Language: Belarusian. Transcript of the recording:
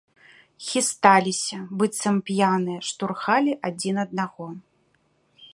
Хісталіся, быццам п'яныя, штурхалі адзін аднаго.